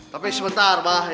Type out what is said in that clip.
tapi sebentar abah